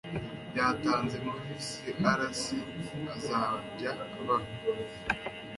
batanze muri crc azajya abarwa